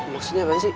maksudnya apaan sih